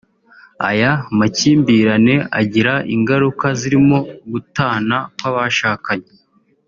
Aya makimbirane agira ingaruka zirimo gutana kw’abashakanye